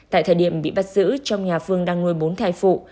tại thời điểm bị bắt giữ trong nhà phương đang ngồi bốn thai phụ